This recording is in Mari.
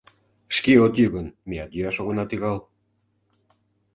Шке от йӱ гын, меат йӱаш огына тӱҥал.